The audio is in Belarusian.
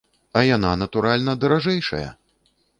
А яна, натуральна, даражэйшая!